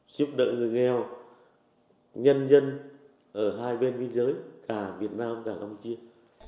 giúp đỡ người nghèo nhân dân ở hai bên biên giới cả việt nam cả đông triều